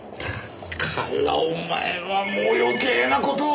だからお前はもう余計な事を！